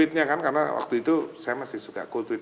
kultifnya kan karena waktu itu saya masih suka kultif